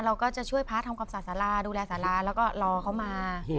เราก็จะช่วยพระทำความสะสาราดูแลสาราแล้วก็รอเขามา